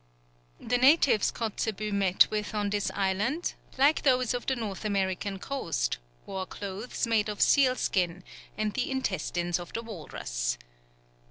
The natives Kotzebue met with on this island, like those of the North American coast, wore clothes made of seal skin and the intestines of the walrus.